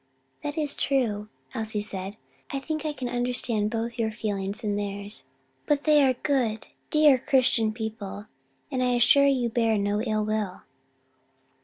"That is all true," Elsie said, "I think I can understand both your feelings and theirs, but they are dear good Christian people, and I assure you bear you no ill will."